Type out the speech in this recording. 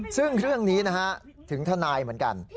ซึ่งเรื่องนี้นะฮะถึงทนายเหมือนกัน